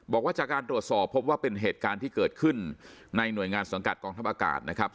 บอกว่าจากการตรวจสอบพบว่าเป็นเหตุการณ์ที่เกิดขึ้นในหน่วยงานสังกัดกองทัพอากาศนะครับ